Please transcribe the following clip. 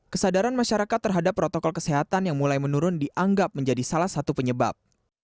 kesadaran masyarakat terhadap protokol kesehatan yang mulai menurun dianggap menjadi salah satu penyebab